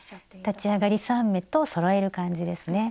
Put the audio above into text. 立ち上がり３目とそろえる感じですね。